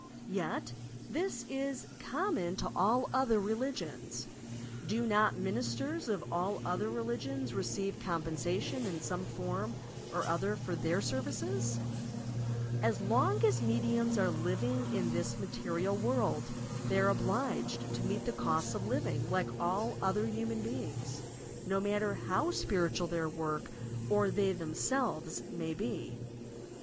Yet, this is common to all other religions. Do not the ministers of all other religions receive compensation in some form or other for their services i As long as mediums are living in this material world, they are obliged to meet the costs of living like all other human beings, no matter how spiritual their work or they themaelvea may be.